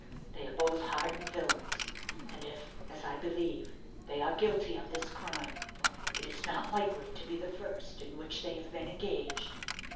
They are both hardened villains; and if, as I believe, they are guilty of this crime, it is not likely to be the first in which they have been engaged.